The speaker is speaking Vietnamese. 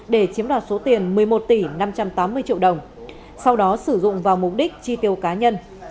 để chiếm đoạt số tiền một mươi một tỷ năm trăm tám mươi triệu đồng sau đó sử dụng vào mục đích chi tiêu cá nhân